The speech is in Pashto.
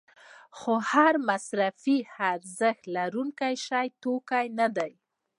خو هر مصرفي ارزښت لرونکی شی توکی نه دی.